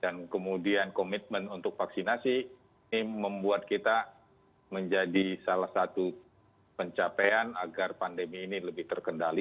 dan kemudian komitmen untuk vaksinasi ini membuat kita menjadi salah satu pencapaian agar pandemi ini lebih terkendali